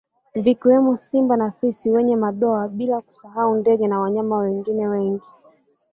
Vikiwemo simba na fisi mwenye madoa bila kusahau ndgee na wanyama wengine wengi